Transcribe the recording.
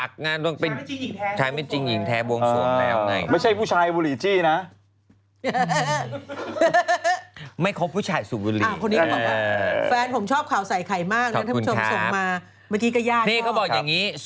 การเปลี่ยนสีผมเท่านั้นที่ผมทำครับก็บอกอย่างนี้